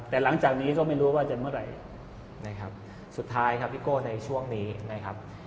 แต่หลังจากนี้ก็ไม่รู้ว่าจะเมื่อไหร่นะครับสุดท้ายครับพี่โก้ในช่วงนี้นะครับ